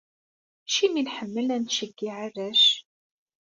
Acimi i nḥemmel ad nettceggiɛ arrac?